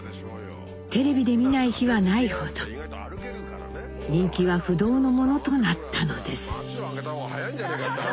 テレビで見ない日はないほど人気は不動のものとなったのです。